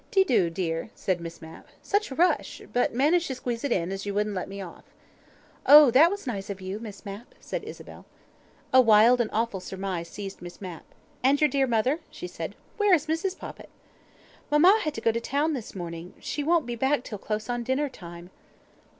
"De do, dear," said Miss Mapp. "Such a rush! But managed to squeeze it in, as you wouldn't let me off." "Oh, that was nice of you, Miss Mapp," said Isabel. A wild and awful surmise seized Miss Mapp. "And your dear mother?" she said. "Where is Mrs. Poppit?" "Mamma had to go to town this morning. She won't be back till close on dinner time."